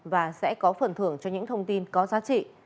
và sẽ có phần thưởng cho những thông tin có giá trị